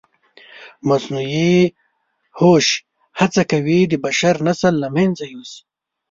مصنوعي هوښ هڅه کوي د بشر نسل له منځه یوسي.